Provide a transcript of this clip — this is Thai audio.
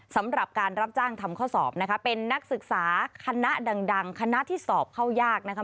สำหรับการรับจ้างทำข้อสอบนะคะเป็นนักศึกษาคณะดังคณะที่สอบเข้ายากนะคะ